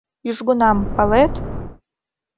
— Южгунам, палет?